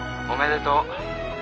おめでとう。